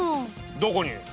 どこに？